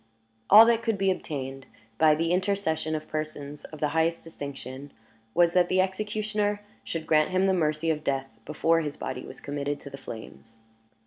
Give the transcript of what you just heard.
All that could be obtained, by the intercession of persons of the highest distinction, was, that the executioner should grant him the mercy of death before his body was committed to the flames.